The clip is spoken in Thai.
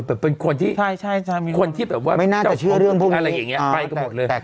เป็นคนที่คนที่แบบว่าไม่น่าจะเชื่อเรื่องพวกอะไรอย่างนี้ไปกันหมดเลย